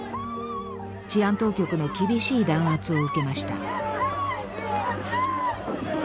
治安当局の厳しい弾圧を受けました。